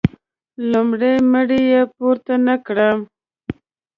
لومړۍ مړۍ یې پورته نه کړه.